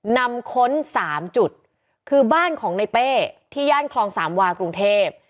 ค้น๓จุดคือบ้านของในเป้ที่ย่านคลองสามวากรุงเทพ